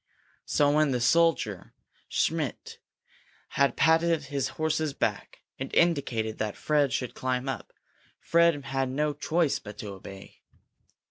So when the soldier Schmidt patted his horse's back and indicated that Fred should climb up, Fred had no choice but to obey.